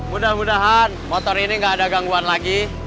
mudah mudahan motor ini gak ada gangguan lagi